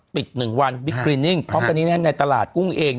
ปิด๑วันพร้อมกันนี้ในตลาดกุ้งเอง